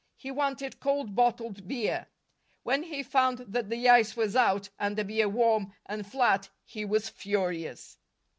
He wanted cold bottled beer. When he found that the ice was out and the beer warm and flat, he was furious.